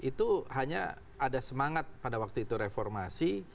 itu hanya ada semangat pada waktu itu reformasi